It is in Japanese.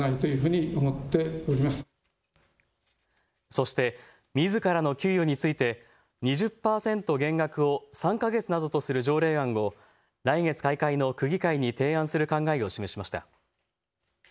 そして、みずからの給与について２０％減額を３か月などとする条例案を来月開会の区議会に提案する考えを示しました。